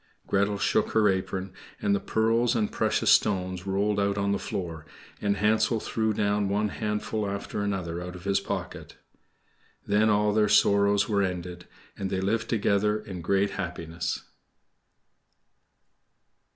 Gretel shook her apron, and the pearls and precious stones rolled out on the floor, and Hansel threw down one handful after another out of his pocket. Then all their sorrows were ended, and they lived together in great happiness.